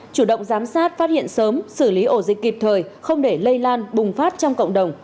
chủ động giám sát phát hiện sớm xử lý ổ dịch kịp thời không để lây lan bùng phát trong cộng đồng